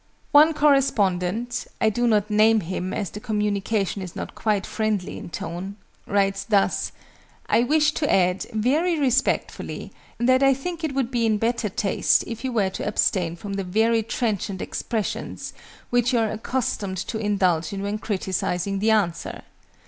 One correspondent (I do not name him, as the communication is not quite friendly in tone) writes thus: "I wish to add, very respectfully, that I think it would be in better taste if you were to abstain from the very trenchant expressions which you are accustomed to indulge in when criticising the answer.